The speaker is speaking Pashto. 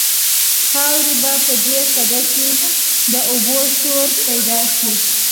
خاورې به په دې سده کې د اوبو شور پیدا شي.